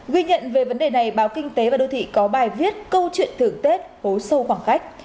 ghi nhận về vấn đề này báo kinh tế và đô thị có bài viết câu chuyện thưởng tết hố sâu khoảng cách